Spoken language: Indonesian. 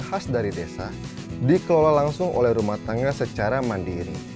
khas dari desa dikelola langsung oleh rumah tangga secara mandiri